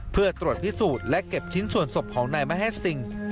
เพื่อตรวจพิสูจน์และเก็บชิ้นส่วนศพของนายมะแฮสซิง